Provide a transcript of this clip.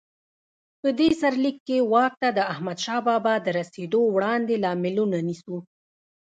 په دې سرلیک کې واک ته د احمدشاه بابا د رسېدو وړاندې لاملونه نیسو.